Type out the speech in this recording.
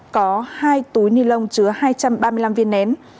có hai túi ni lông chứa hai trăm ba mươi năm viên nén